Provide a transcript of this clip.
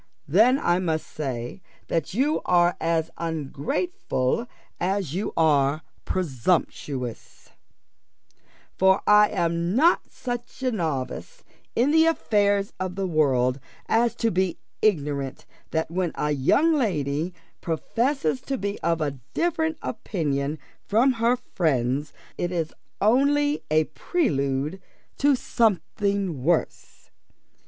Then I must say that you are as ungrateful as you are presumptuous; for I am not such a novice in the affairs of the world as to be ignorant that when a young lady professes to be of a different opinion from her friends, it is only a prelude to something worse.